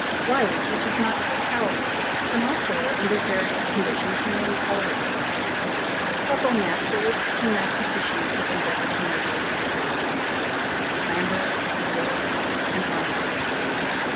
Light, which is not so powerful, can also, under various conditions, remain colourless. Several naturalists and mathematicians have endeavoured to measure its degrees Lambert, Bouguer, Rumford.